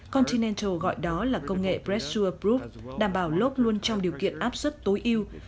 continental gọi đó là công nghệ pressure proof đảm bảo lốp luôn trong điều kiện áp suất tối yêu